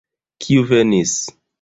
Kiu venis?